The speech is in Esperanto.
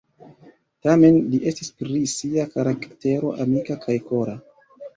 Tamen li estis pri sia karaktero amika kaj kora.